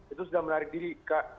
itu sudah menarik diri kak